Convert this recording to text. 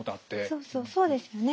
そうそうそうですよね。